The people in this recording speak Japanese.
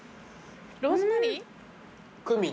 ローズマリー？